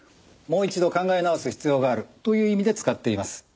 もう一度考え直す必要があるという意味で使っています。